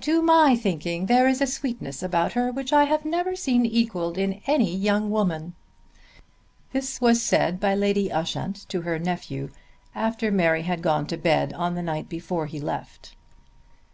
"To my thinking there is a sweetness about her which I have never seen equalled in any young woman." This was said by Lady Ushant to her nephew after Mary had gone to bed on the night before he left.